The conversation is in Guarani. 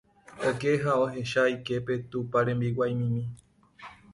oke ha ohecha iképe tupãrembiguaimimi.